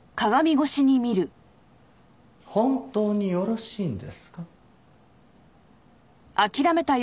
本当によろしいんですか？